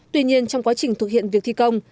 tuy nhiên trong quá trình thực hiện việc thi công